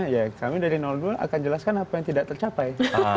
ya kami dari dua akan jelaskan apa yang tidak tercapai